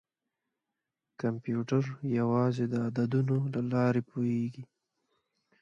کمپیوټر یوازې د عددونو له لارې پوهېږي.